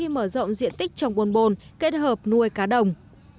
điều quan trọng khi mở rộng diện tích trồng bồn bồn kết hợp nuôi cá đồng